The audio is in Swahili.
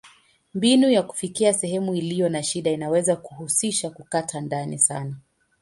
Mbinu ya kufikia sehemu iliyo na shida inaweza kuhusisha kukata ndani sana.